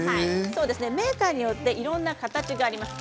メーカーによっていろんな形があります。